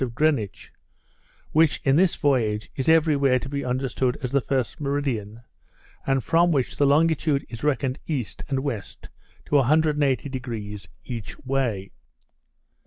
of Greenwich, which, in this voyage, is every where to be understood as the first meridian, and from which the longitude is reckoned east and west to 180° each way.